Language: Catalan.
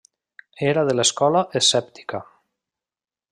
Era de l'escola escèptica.